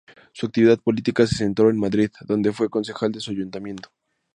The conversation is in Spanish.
Su actividad política se centró en Madrid, donde fue concejal de su Ayuntamiento.